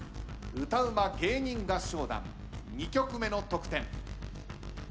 歌ウマ芸人合唱団２曲目の得点。